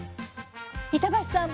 板橋さん